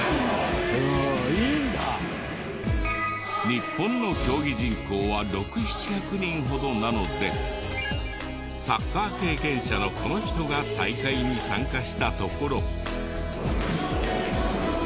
日本の競技人口は６００７００人ほどなのでサッカー経験者のこの人が大会に参加したところ。